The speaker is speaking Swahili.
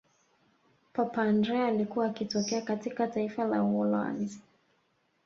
papa andrea alikuwa akitokea katika taifa la uholanzi